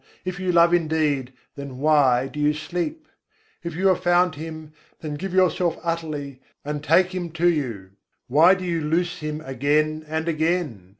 if you love indeed, then why do you sleep? If you have found Him, then give yourself utterly, and take Him to you. Why do you loose Him again and again?